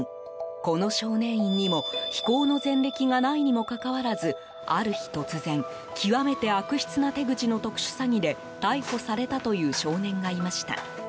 この少年院にも非行の前歴がないにもかかわらずある日突然極めて悪質な手口の特殊詐欺で逮捕されたという少年がいました。